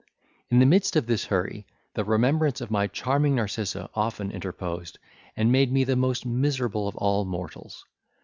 In the midst of this hurry, the remembrance of my charming Narcissa often interposed, and made me the most miserable of all mortals.